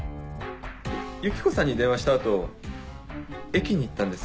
ユキコさんに電話した後駅に行ったんです。